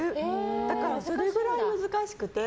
だからそれくらい難しくて。